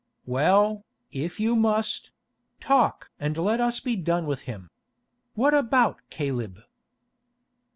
"Well, if you must—talk and let us be done with him. What about Caleb?"